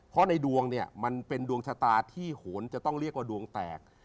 เพราะในดวงเนี่ยมันเป็นดวงชะตาที่โหนจะต้องเรียกว่าดวงแตก